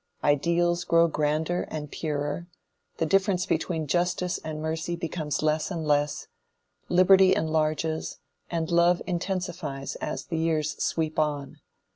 Ideals grow grander and purer; the difference between justice and mercy becomes less and less; liberty enlarges, and love intensifies as the years sweep on.